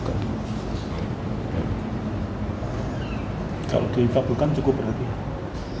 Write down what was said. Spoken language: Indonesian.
kalau dikabulkan cukup berarti